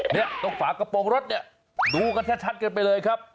เนี่ยตรงฝากระโปรงรถเนี่ยดูกันชัดกันไปเลยครับ